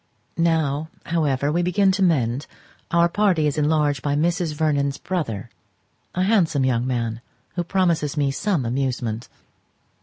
Now, however, we begin to mend, our party is enlarged by Mrs. Vernon's brother, a handsome young man, who promises me some amusement.